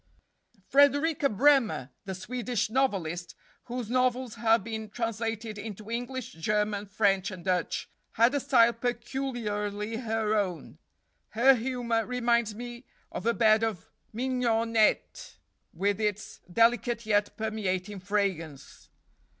Frederika Bremer, the Swedish novelist, whose novels have been translated into English, German, French, and Dutch, had a style peculiarly her own. Her humor reminds me of a bed of mignonette, with its delicate yet permeating fragrance.